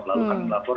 lalu kami melapor